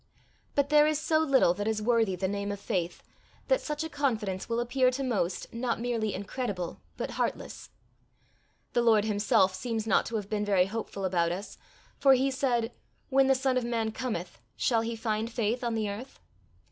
But there is so little that is worthy the name of faith, that such a confidence will appear to most not merely incredible but heartless. The Lord himself seems not to have been very hopeful about us, for he said, When the Son of man cometh, shall he find faith on the earth?